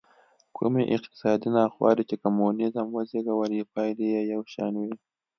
کومې اقتصادي ناخوالې چې کمونېزم وزېږولې پایلې یې یو شان وې.